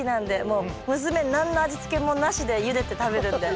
もう娘何の味付けもなしでゆでて食べるんで。